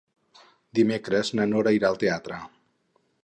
Dimecres na Nora irà al teatre.